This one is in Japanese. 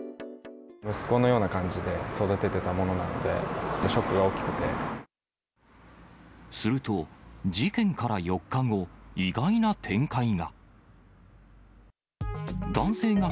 息子のような感じで育ててたすると、事件から４日後、意外な展開が。